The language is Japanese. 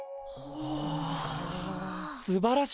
お！